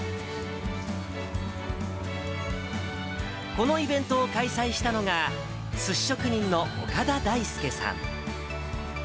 このイベントを開催したのが、すし職人の岡田大介さん。